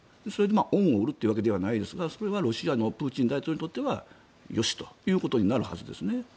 それで恩を売るというわけではないですがそれはロシアのプーチン大統領にとってはよしということになるはずですね。